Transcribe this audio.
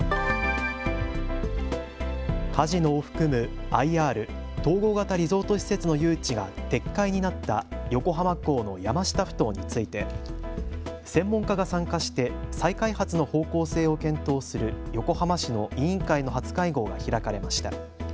カジノを含むＩＲ・統合型リゾート施設の誘致が撤回になった横浜港の山下ふ頭について専門家が参加して再開発の方向性を検討する横浜市の委員会の初会合が開かれました。